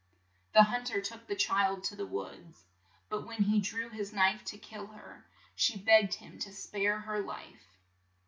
The hunt er took the child to the woods, but when he drew his knife to kill her she begged him to spare her life.